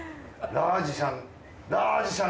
ラージシャン。